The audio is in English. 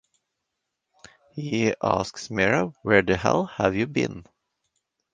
He asks Mera "Where the hell have you been?".